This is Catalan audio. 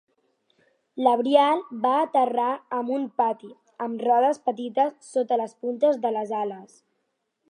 L'Abrial va aterrar amb un patí, amb rodes petites sota les puntes de les ales.